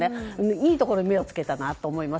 いいところに目を付けたなと思います。